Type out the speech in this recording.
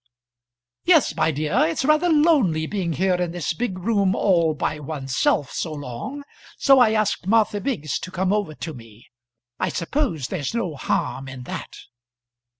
"Yes, my dear, it's rather lonely being here in this big room all by oneself so long; so I asked Martha Biggs to come over to me. I suppose there's no harm in that."